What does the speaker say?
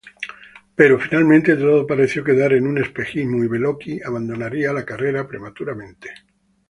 Pero finalmente todo pareció quedar en un espejismo y Beloki abandonaría la carrera prematuramente.